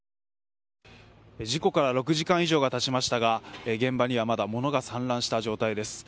事故から６時間以上が経ちましたが現場にはまだ、物が散乱した状態です。